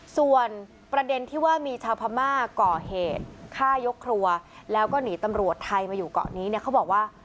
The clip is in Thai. ส่วนประเด็นที่ว่ามีชาวพม่าก่อเหตุฆ่ายกครัวแล้วก็หนีตำรวจไทยมาอยู่เกาะนี้เนี่ยเขาบอกว่า